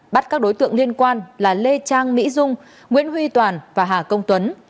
bắt các đối tượng liên quan là lê trang mỹ dung nguyễn huy toàn và hà công tuấn